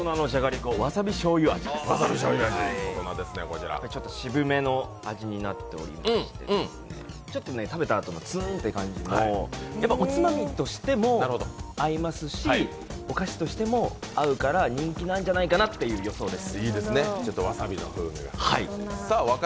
ちょっと渋めの味になっておりまして、ちょっと食べたあとのツーンという感じもおつまみとしても合いますしお菓子としても合うから人気なんじゃないかなっていう予想です。